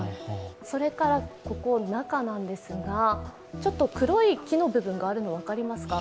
それから、ここ中なんですが、黒い木の部分があるのが分かりますか。